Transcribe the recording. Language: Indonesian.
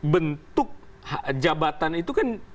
bentuk jabatan itu kan